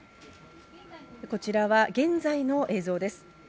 こちらは現在の映像です。